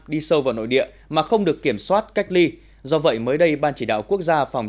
đi sâu vào nội địa mà không được kiểm soát cách ly do vậy mới đây ban chỉ đạo quốc gia phòng